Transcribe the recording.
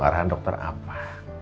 arah dokter apa